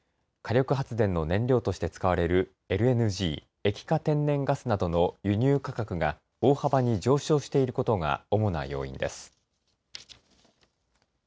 火力発電の燃料として使われるＬＮＧ・液化天然ガスなどの輸入価格が大幅に上昇していることが主な要因です。